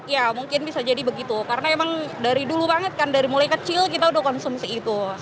ya mungkin bisa jadi begitu karena emang dari dulu banget kan dari mulai kecil kita udah konsumsi itu